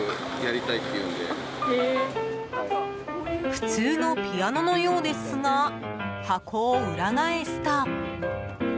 普通のピアノのようですが箱を裏返すと。